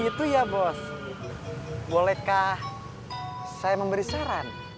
itu ya bos bolehkah saya memberi saran